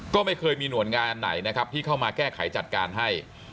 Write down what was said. ก็ไม่เคยมีหน่วยงานไหนนะครับที่เข้ามาแก้ไขจัดการให้